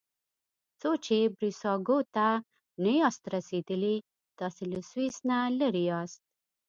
څو چې بریساګو ته نه یاست رسیدلي تاسي له سویس نه لرې یاست.